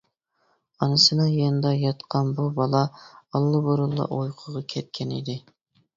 ئانىسىنىڭ يېنىدا ياتقان بۇ بالا ئاللىبۇرۇنلا ئۇيقۇغا كەتكەنىدى.